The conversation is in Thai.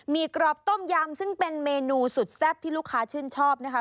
มีกรอบต้มยำซึ่งเป็นเมนูสุดแซ่บที่ลูกค้าชื่นชอบนะคะ